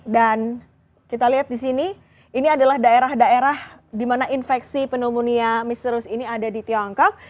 dan kita lihat di sini ini adalah daerah daerah di mana infeksi pneumonia misterius ini ada di tiongkok